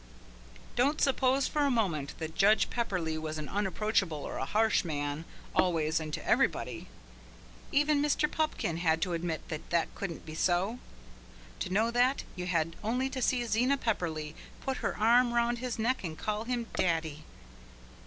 Don't suppose for a moment that Judge Pepperleigh was an unapproachable or a harsh man always and to everybody. Even Mr. Pupkin had to admit that that couldn't be so. To know that, you had only to see Zena Pepperleigh put her arm round his neck and call him Daddy.